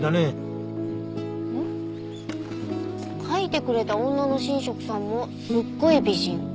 「書いてくれた女の神職さんもすっごい美人！」。